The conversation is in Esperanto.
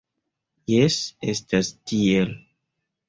Jes, estas tiel.